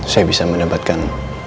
saya bisa mendapatkan